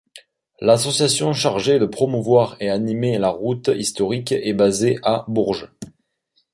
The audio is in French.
L'association chargée de promouvoir et animer la route historique est basée à Bourges.